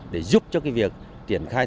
để giúp cho việc triển khai